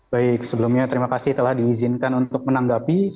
baik sebelumnya terima kasih telah diizinkan untuk menanggapi